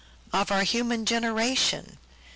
of Our human generation " (III.